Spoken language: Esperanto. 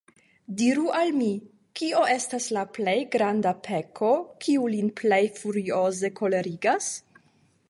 Diru al mi, kio estas la plej granda peko, kiu lin plej furioze kolerigas?